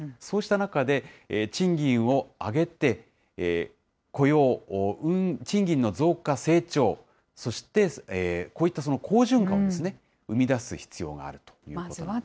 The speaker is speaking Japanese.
そうした中で、賃金を上げて、雇用・賃金の増加、成長、そしてこういった好循環を生み出す必要があるということなんです